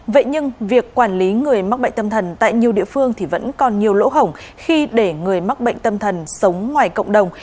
vậy nhưng việc quản lý người mắc bệnh tâm thần tại nhiều địa phương thì vẫn còn nhiều lỗ hổng khi để người mắc bệnh tâm thần sống ngoài cộng đồng